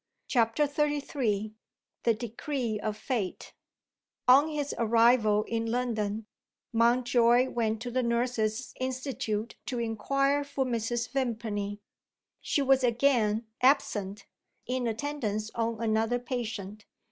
CHAPTER XXXIII THE DECREE OF FATE ON his arrival in London, Mountjoy went to the Nurses' Institute to inquire for Mrs. Vimpany. She was again absent, in attendance on another patient.